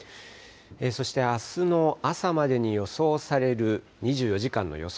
そしてあすの朝までに予想される２４時間の予想